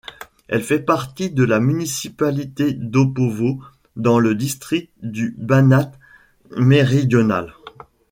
Elle fait partie de la municipalité d'Opovo dans le district du Banat méridional.